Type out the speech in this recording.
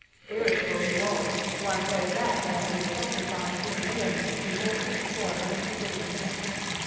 Irritable he was; one heard that, as he apostrophized with vehemence the awkward squad under his orders.